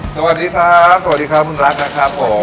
สวัสดีครับสวัสดีครับคุณรักนะครับผม